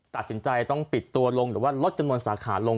ตัดสินใจต้องปิดตัวลงหรือว่าลดจำนวนสาขาลง